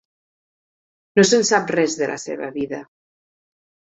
No se'n sap res de la seva vida.